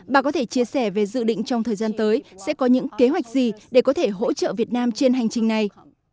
bà có thể chia sẻ về dự định trong thời gian tới sẽ có những kế hoạch gì để có thể hỗ trợ việt nam trên hành trình này